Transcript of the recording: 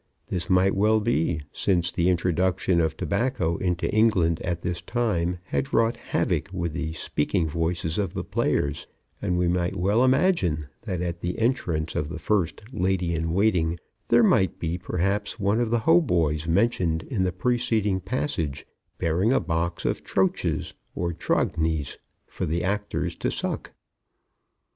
This might well be since the introduction of tobacco into England at this time had wrought havoc with the speaking voices of the players, and we might well imagine that at the entrance of the First Lady in Waiting there might be perhaps one of the hautboys mentioned in the preceding passage bearing a box of troches or "trognies" for the actors to suck.